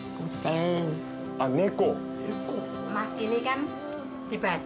あっ、猫。